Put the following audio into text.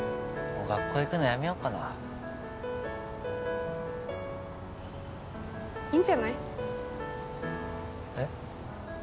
もう学校行くのやめよっかないいんじゃないえっ？